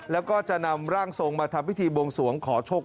แล้วก็จะนำร่างทรงมาทำพิธีบวงสวงขอโชค